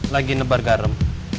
lagi nebar garam